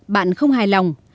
bạn không hài lòng